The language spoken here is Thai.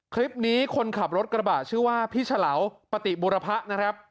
คลิปนี้คนขับรถกระบะชื่อว่าพี่ฉลาวปฏิบุรพะนะครับ